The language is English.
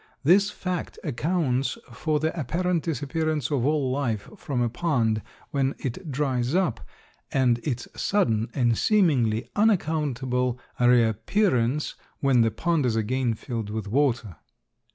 This fact accounts for the apparent disappearance of all life from a pond when it dries up, and its sudden and seemingly unaccountable reappearance when the pond is again filled with water.